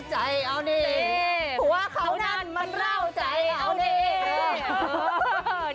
หัวเขานั่นมันเล่าใจเอาได้